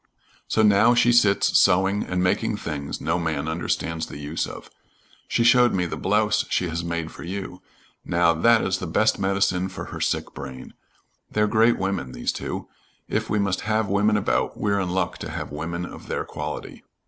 So now she sits sewing and making things no man understands the use of. She showed me the blouse she has made for you. Now, that is the best medicine for her sick brain. They're great women, these two. If we must have women about, we're in luck to have women of their quality."